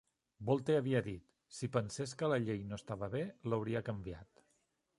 Bolte havia dit: "Si pensés que la llei no estava bé, l'hauria canviat".